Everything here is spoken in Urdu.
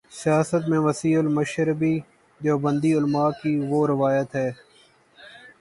سیاست میں وسیع المشربی دیوبندی علما کی وہ روایت ہے۔